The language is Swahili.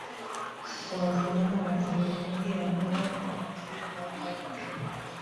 kwa viwandaMatumizi mengi ya dawa za wadudu au dawa katika kilimo